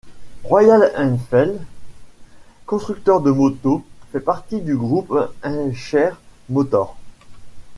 Royal Enfield - constructeur de moto fait partie du groupe Eicher Motors.